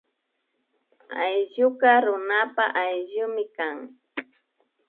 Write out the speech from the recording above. Allkuka runapa ayllumi kan